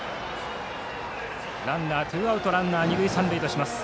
ツーアウトランナー、二塁三塁とします。